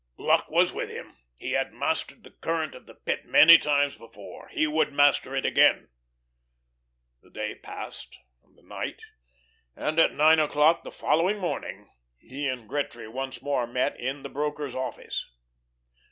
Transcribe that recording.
Luck was with him; he had mastered the current of the Pit many times before he would master it again. The day passed and the night, and at nine o'clock the following morning, he and Gretry once more met in the broker's office.